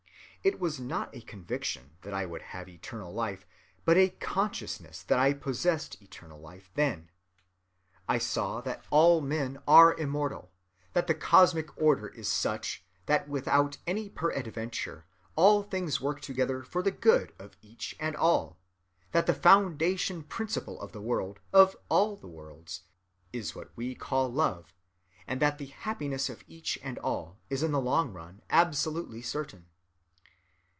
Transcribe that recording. It was not a conviction that I would have eternal life, but a consciousness that I possessed eternal life then; I saw that all men are immortal; that the cosmic order is such that without any peradventure all things work together for the good of each and all; that the foundation principle of the world, of all the worlds, is what we call love, and that the happiness of each and all is in the long run absolutely certain.